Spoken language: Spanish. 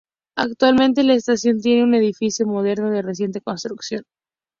Actualmente la estación tiene un edificio moderno de reciente construcción.